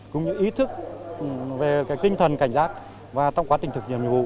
cũng như ý thức về tinh thần cảnh giác và trong quá trình thực hiện nhiệm vụ